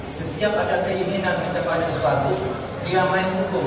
setiap ada keinginan mendapatkan sesuatu dia main hukum